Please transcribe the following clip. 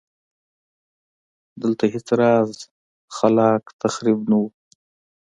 دلته هېڅ راز خلاق تخریب نه و.